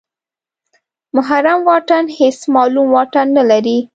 محرم واټن هېڅ معلوم واټن نلري.